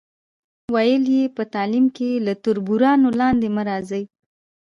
ویل یې، په تعلیم کې له تربورانو لاندې مه راځئ.